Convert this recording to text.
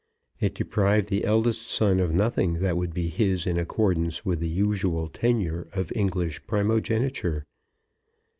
It deprived the eldest son of nothing that would be his in accordance with the usual tenure of English primogeniture.